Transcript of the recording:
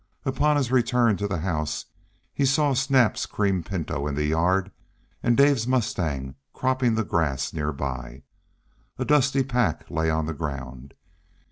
Upon his return to the house he saw Snap's cream pinto in the yard, and Dave's mustang cropping the grass near by. A dusty pack lay on the ground.